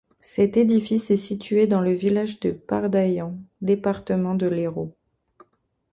Cet édifice est situé dans le village de Pardailhan, département de l'Hérault.